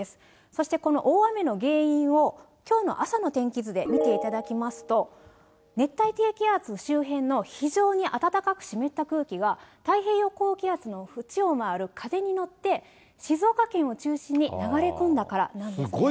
そしてこの大雨の原因を、きょうの朝の天気図で見ていただきますと、熱帯低気圧周辺の非常に暖かく湿った空気は、太平洋高気圧の縁を回る風に乗って、静岡県を中心に流れ込んだからなんですね。